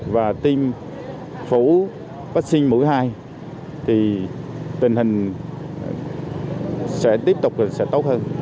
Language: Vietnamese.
và tiêm phủ vaccine mũi hai thì tình hình sẽ tiếp tục tốt hơn